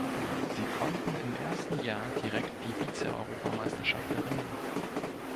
Sie konnten im ersten Jahr direkt die Vizeeuropameisterschaft erringen.